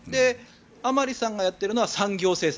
甘利さんがやっているのは産業政策。